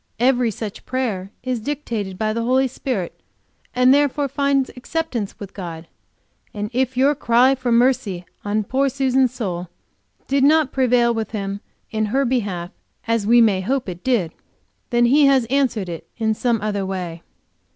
Every such prayer is dictated by the Holy Spirit, and therefore finds acceptance with God; and if your cry for mercy on poor Susan's soul did not prevail with Him in her behalf, as we may hope it did, then He has answered it in some other way."